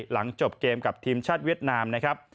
หลังจบเกมกับทีมชาติเวียดนามนะครับ